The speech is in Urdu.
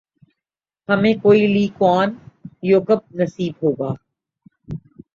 ہمیں کوئی لی کوآن یو کب نصیب ہوگا؟